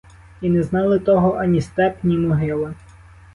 І не знали того ані степ, ні могила.